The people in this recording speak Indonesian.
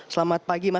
selamat pagi mas